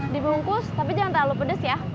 dibungkus tapi jangan terlalu pedes ya